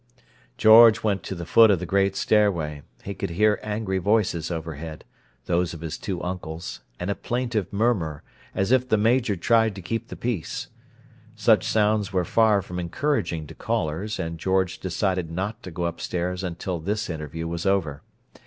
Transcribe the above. George went to the foot of the great stairway. He could hear angry voices overhead—those of his two uncles—and a plaintive murmur, as if the Major tried to keep the peace. Such sounds were far from encouraging to callers, and George decided not to go upstairs until this interview was over.